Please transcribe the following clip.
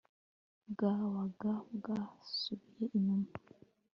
bwabaga bwarasubiye inyuma